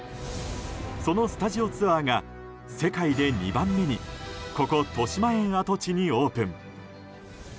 そのスタジオツアーが世界で２番目にここ、としまえん跡地にオープン。